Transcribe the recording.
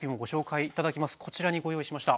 こちらにご用意しました。